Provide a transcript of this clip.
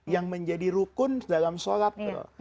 yang menjadi rukun dalam sholat